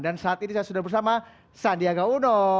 dan saat ini saya sudah bersama sandiaga udo